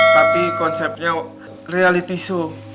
tapi konsepnya reality show